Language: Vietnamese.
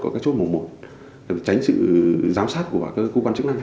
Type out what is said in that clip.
tránh sự giám sát của các cơ quan chức năng